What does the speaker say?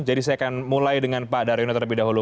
jadi saya akan mulai dengan pak daryono terlebih dahulu